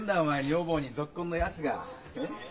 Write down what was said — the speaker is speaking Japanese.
女房にぞっこんのやつが。えっ？